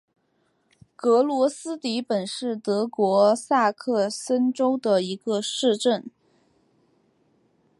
格罗斯迪本是德国萨克森州的一个市镇。